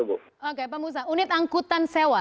oke pak musa unit angkutan sewa